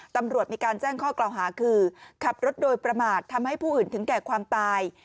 ตำรวจมีการแจ้งข้อกล่าวหาคือขับรถโดยประมาททำให้ผู้อื่นถึงแก่ความตาย